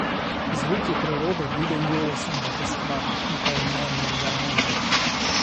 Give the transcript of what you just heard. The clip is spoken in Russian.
Звуки природы были голосом божества, наполняя мир гармонией.